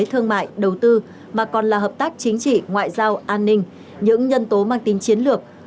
thương mại đầu tư mà còn là hợp tác chính trị ngoại giao an ninh những nhân tố mang tính chiến lược